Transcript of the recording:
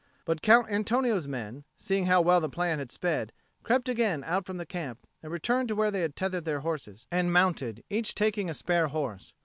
But Count Antonio's men, seeing how well the plan had sped, crept again out from the camp, and returned to where they had tethered their horses, and mounted, each taking a spare horse.